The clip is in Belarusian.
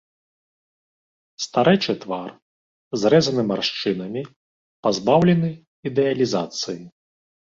Старэчы твар, зрэзаны маршчынамі, пазбаўлены ідэалізацыі.